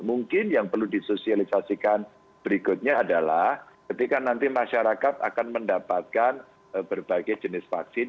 mungkin yang perlu disosialisasikan berikutnya adalah ketika nanti masyarakat akan mendapatkan berbagai jenis vaksin